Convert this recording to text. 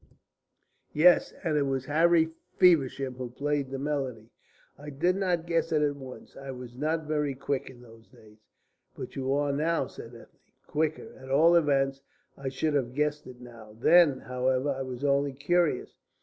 "Yes, and it was Harry Feversham who played the melody. I did not guess it at once. I was not very quick in those days." "But you are now," said Ethne. "Quicker, at all events. I should have guessed it now. Then, however, I was only curious.